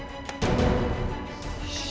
kok dia emak aja sih